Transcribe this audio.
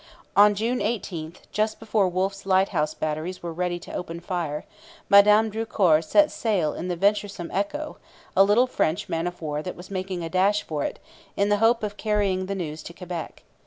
On June 18, just before Wolfe's lighthouse batteries were ready to open fire, Madame Drucour set sail in the venturesome Echo, a little French man of war that was making a dash for it, in the hope of carrying the news to Quebec.